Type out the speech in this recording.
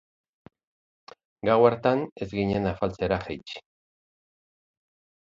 Gau hartan ez ginen afaltzera jaitsi.